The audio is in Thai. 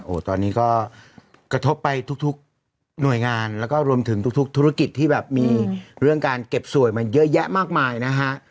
โอ้โหตอนนี้ก็กระทบไปทุกทุกหน่วยงานแล้วก็รวมถึงทุกธุรกิจที่แบบมีเรื่องการเก็บสวยมาเยอะแยะมากมายนะฮะ